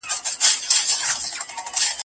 سرداري يې زما په پچه ده ختلې